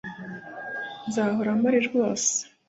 nzahora mpari rwose